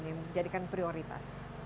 yang dijadikan prioritas